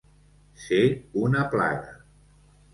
Ser una plaga.